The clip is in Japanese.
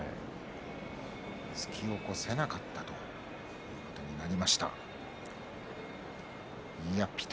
突き起こせなかったということになりました。